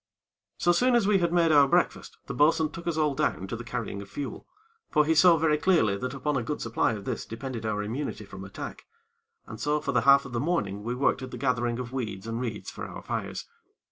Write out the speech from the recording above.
So soon as we had made our breakfast, the bo'sun took us all down to the carrying of fuel; for he saw very clearly that upon a good supply of this depended our immunity from attack. And so for the half of the morning we worked at the gathering of weed and reeds for our fires.